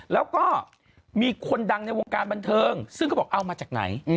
แล้วก็มีคนดังในวงการบันเทิงซึ่งเขาบอกเอามาจากไหน